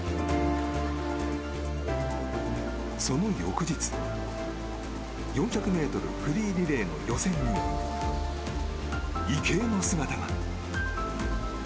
その翌日４００ｍフリーリレーの予選にも池江の姿が。